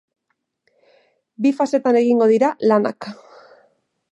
Bi fasetan egingo dira lanak.